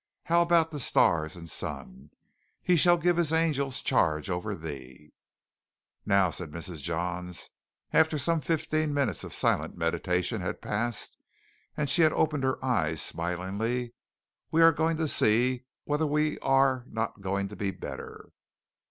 How about the stars and sun? "He shall give his angels charge over thee." "Now," said Mrs. Johns, after some fifteen minutes of silent meditation had passed and she opened her eyes smilingly "we are going to see whether we are not going to be better.